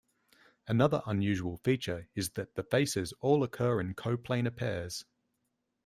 Another unusual feature is that the faces all occur in coplanar pairs.